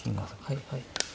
はいはい。